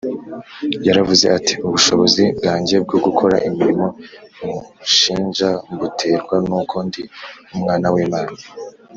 Yaravuze ati, ubushobozi bwanjye bwo gukora imirimo munshinja mbuterwa n’uko ndi Umwana w’Imana